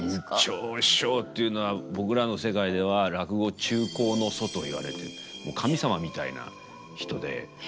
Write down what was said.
圓朝師匠というのは僕らの世界では落語「中興の祖」と言われてもう神様みたいな人で。